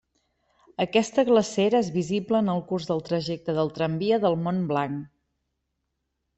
Aquesta glacera és visible en el curs del trajecte del tramvia del Mont Blanc.